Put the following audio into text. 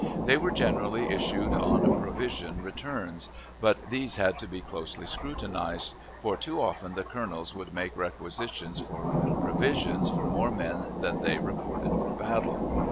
They were generally issued on provision returns, but these had to be closely scrutinized, for too often the colonels would make requisitions for provisions for more men than they reported for battle.